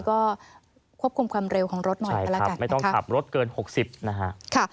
ก็ควบคุมความเร็วของรถหน่อยไม่ต้องขับรถเกิน๖๐นะครับ